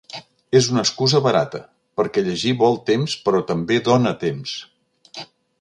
És una excusa barata, perquè llegir vol temps però també dona temps.